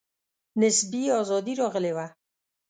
نسبي آزادي راغلې وه.